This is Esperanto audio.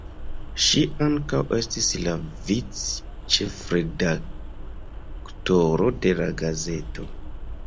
Ŝi ankaŭ estis la vic-ĉefredaktoro de la gazeto.